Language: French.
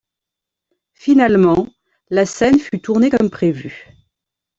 Finalement, la scène fut tournée comme prévu.